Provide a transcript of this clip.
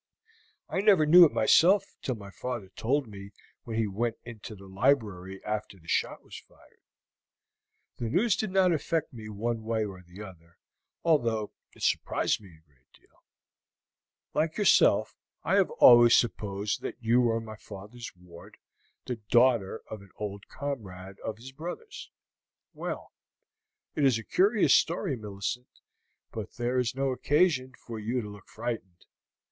I never knew it myself till my father told me when we went into the library after the shot was fired. The news did not affect me one way or the other, although it surprised me a great deal. Like yourself, I have always supposed that you were my father's ward, the daughter of an old comrade of his brother's. Well, it is a curious story, Millicent. But there is no occasion for you to look frightened.